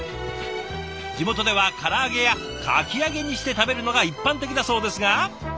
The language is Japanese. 地元ではから揚げやかき揚げにして食べるのが一般的だそうですが。